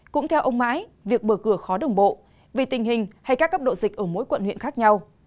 cũng theo ông mãi việc mở cửa khó đồng bộ vì tình hình hay các cấp độ dịch ở mỗi quận huyện khác nhau